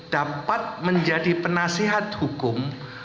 dapat menjadi penasihat hukum